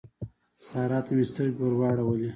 سارا ته مې سترګې ور واړولې.